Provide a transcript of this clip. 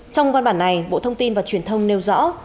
trong văn bản này bộ thông tin và truyền thông nêu rõ